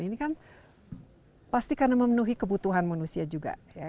ini kan pasti karena memenuhi kebutuhan manusia juga ya